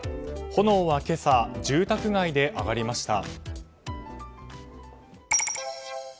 炎は今朝、住宅街で上がりました。